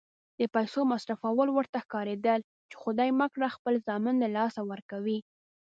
د پیسو مصرفول ورته ښکارېدل چې خدای مه کړه خپل زامن له لاسه ورکوي.